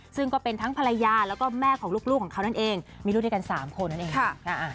ซึ่งก็เป็นทั้งภรรยาแล้วก็แม่ของลูกของเขานั่นเองมีลูกด้วยกัน๓คนนั่นเองค่ะ